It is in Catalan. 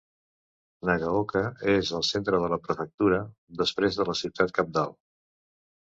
Nagaoka és al centre de la prefectura, després de la ciutat cabdal.